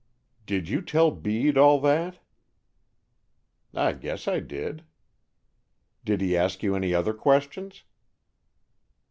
"Did you tell Bede all that?" "I guess I did." "Did he ask you any other questions?"